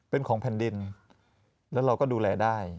เป็นของแผ่นดินแล้วเราก็ดูแลได้